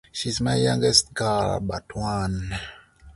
She is my youngest girl but one.